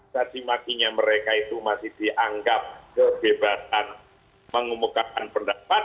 cacimakinya mereka itu masih dianggap kebebasan mengumumkan pendapat